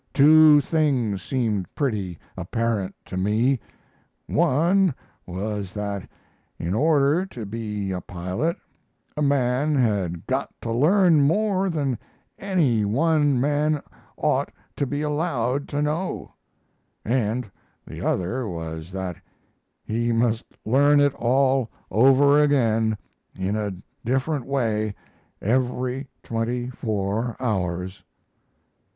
Two things seemed pretty apparent to me. One was that in order to be a pilot a man had got to learn more than any one man ought to be allowed to know; and the other was that he must learn it all over again in a different way every twenty four hours.